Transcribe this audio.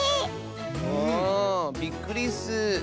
あびっくりッス！